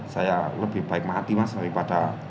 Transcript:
saya lebih baik mati mas daripada